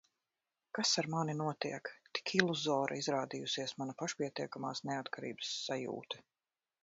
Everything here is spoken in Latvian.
Kas ar mani notiek? Tik iluzora izrādījusies mana pašpietiekamās neatkarības sajūta.